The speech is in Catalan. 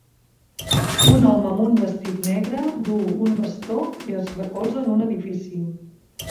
Un home amb un vestit negre duu un bastó i es recolza en un edifici.